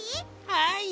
はい。